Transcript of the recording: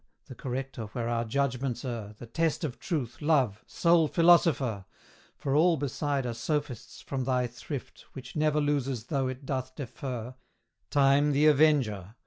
the corrector where our judgments err, The test of truth, love, sole philosopher, For all beside are sophists, from thy thrift, Which never loses though it doth defer Time, the avenger!